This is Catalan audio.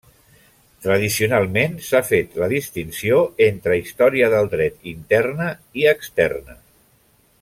Tradicionalment, s'ha fet la distinció entre Història del Dret interna i externa.